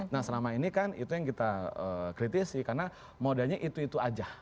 nah selama ini kan itu yang kita kritisi karena modanya itu itu aja